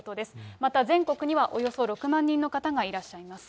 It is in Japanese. また全国にはおよそ６万人の方がいらっしゃいます。